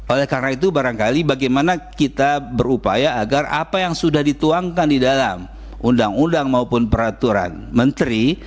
oleh karena itu barangkali bagaimana kita berupaya agar apa yang sudah dituangkan di dalam undang undang maupun peraturan menteri